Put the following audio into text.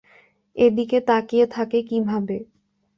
এদিকে তাকিয়ে থাকে কীভাবে?